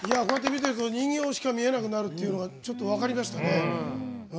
こうやって見てると人形しか見えなくなるというのがちょっと分かりましたね。